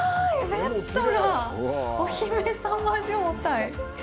ベッドがお姫様状態！